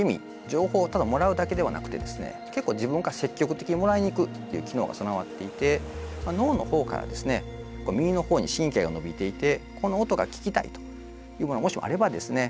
情報をただもらうだけではなくてですね結構自分が積極的にもらいに行くっていう機能が備わっていて脳の方からですね耳の方に神経が伸びていてこの音が聞きたいというものがもしもあればですね